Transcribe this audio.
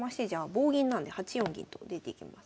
棒銀なんで８四銀と出ていきます。